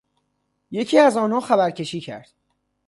یکی از آنها خبرکشی کرد.